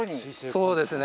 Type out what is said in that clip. そうですね